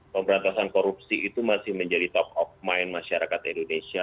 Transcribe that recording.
pemberantasan korupsi itu masih menjadi top of mind masyarakat indonesia